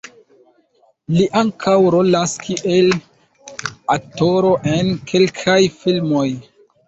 Li ankaŭ rolas kiel aktoro en kelkaj filmoj.